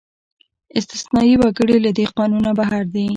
استثنايي وګړي له دې قانونه بهر دي.